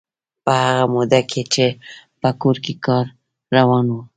په هغه موده کې چې په کور کې کار روان و.